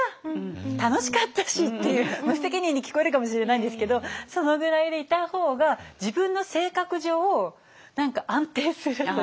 楽しかったしっていう無責任に聞こえるかもしれないんですけどそのぐらいでいた方が自分の性格上何か安定するというか。